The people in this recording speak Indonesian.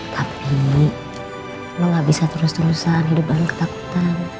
tapi lo gak bisa terus terusan hidup banyak ketakutan